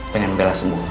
pengen bella sembuh